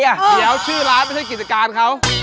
ทำไมอ่ะเดี๋ยวชื่อร้านไม่ใช่กิจการเขา